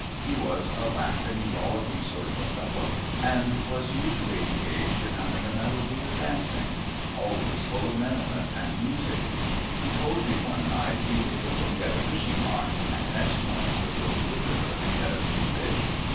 He was a laughing, rollicking sort of a fellow, and was usually engaged in humming a melody or dancing always full of merriment and music. He told me one night he would go and get a fishing line, and next morning would go to the river and get us some fish.